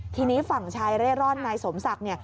ทีนี้ฝั่งชายเร่ร่อนนายสมศักดิ์